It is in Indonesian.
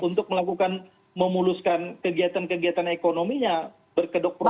untuk melakukan memuluskan kegiatan kegiatan ekonominya berkedok profesi itu